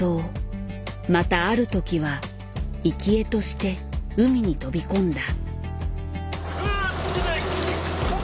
またある時は生き餌として海に飛び込んだ。